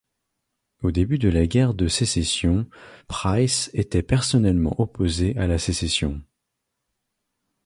Au début de la guerre de Sécession, Price était personnellement opposé à la sécession.